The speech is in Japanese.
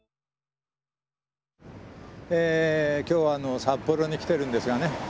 今日は札幌に来てるんですがね